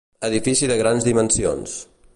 Edifici de grans dimensions.